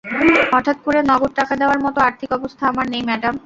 হঠাৎ করে নগদ টাকা দেওয়ার মতো আর্থিক অবস্থা আমার নেই, ম্যাডাম।